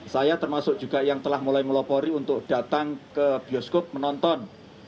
saya termasuk juga yang telah mulai melopori untuk datang ke bioskop menonton